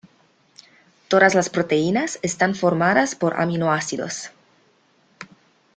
Todas las proteínas están formadas por aminoácidos.